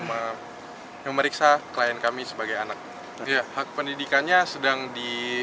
memeriksa klien kami sebagai anak ya hak pendidikannya sedang di